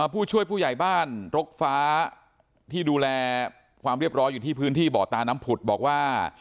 ผู้ช่วยผู้ใหญ่บ้านรกฟ้าที่ดูแลความเรียบร้อยอยู่ที่พื้นที่บ่อตาน้ำผุดบอกว่า